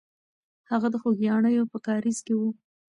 هغه د خوګیاڼیو په کارېز کې وه.